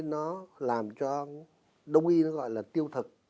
nó làm cho đông y nó gọi là tiêu thực